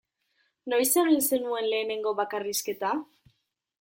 Noiz egin zenuen lehenengo bakarrizketa?